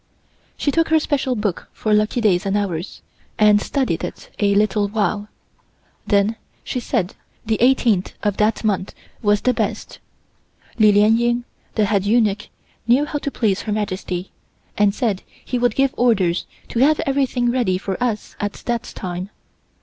She took her special book for lucky days and hours, and studied it a little while, then she said the eighteenth of that month was the best. Li Lien Ying, the head eunuch knew how to please Her Majesty, and said he would give orders to have everything ready for us at that time.